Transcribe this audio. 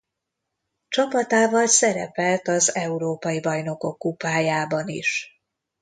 Csapatával szerepelt az Európai bajnokok kupájában is.